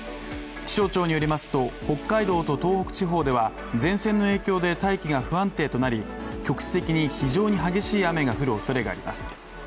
気象庁によりますと北海道と東北地方では前線の影響で大気が不安定となり局地的に非常に激しい雨が降るおそれがあります。